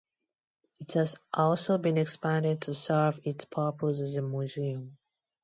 It has also been expanded to serve its purpose as a museum.